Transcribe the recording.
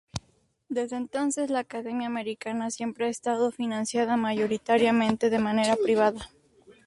Desde entonces, la Academia Americana siempre ha estado financiada mayoritariamente de manera privada.